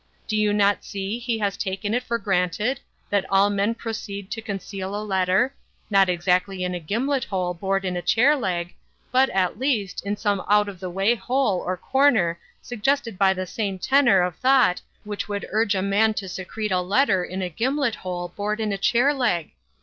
Do you not see he has taken it for granted that all men proceed to conceal a letter,—not exactly in a gimlet hole bored in a chair leg—but, at least, in some out of the way hole or corner suggested by the same tenor of thought which would urge a man to secrete a letter in a gimlet hole bored in a chair leg?